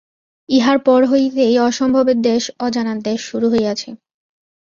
ইহার পর হইতেই অসম্ভবের দেশ, অজানার দেশ শুরু হইয়াছে।